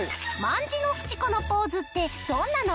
卍のフチ子のポーズってどんなの？